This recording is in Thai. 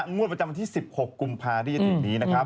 งวดประจำที่๑๖กุมภาคมที่อาทิตย์นี้